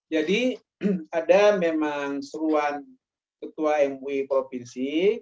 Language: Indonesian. jadi ada memang seruan ketua mui provinsi